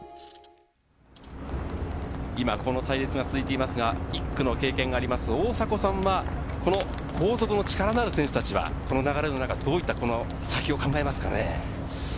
今この隊列が続いていますが、１区の経験がある大迫さんは後続の力のある選手たちはこの流れの中、どういった先を考えますかね。